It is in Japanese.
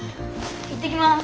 行ってきます！